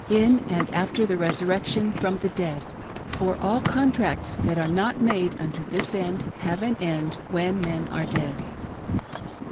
in and after the resurrection from tlie dead : for all contracts that are not made unto this end, have an end when men are dead.